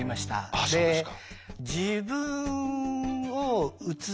あっそうですか。